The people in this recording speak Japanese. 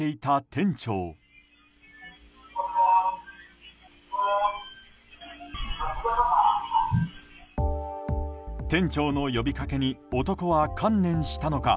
店長の呼びかけに男は観念したのか。